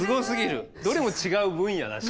どれも違う分野だし。